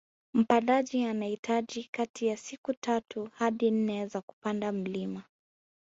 Mpandaji anahitaji kati ya siku tatu hadi nne za kupanda mlima